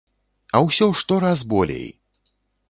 А ўсё штораз болей!